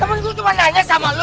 temen gue cuma nanya sama lu